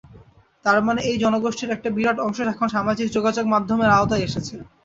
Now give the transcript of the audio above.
তার মানে এই জনগোষ্ঠীর একটা বিরাট অংশ এখন সামাজিক যোগাযোগমাধ্যমের আওতায় এসেছে।